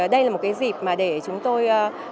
đây là một dịp để chúng tôi